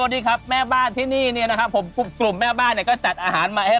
ดีครับแม่บ้านที่นี่เนี่ยนะครับผมกลุ่มแม่บ้านเนี่ยก็จัดอาหารมาให้